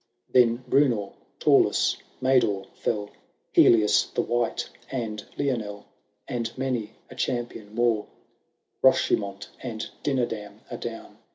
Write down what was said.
Then Bnmor, Taulas, Mador, fell, Helias the White, and Lionel, And many a champion more ; Rochemont and Dinadam are down.